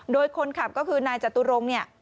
โดยคนขับก็คือนายจตุรงน์